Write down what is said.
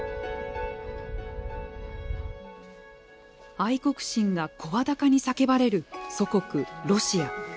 愛国心が声高に叫ばれる祖国ロシア。